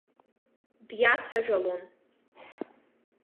Диацәажәалон.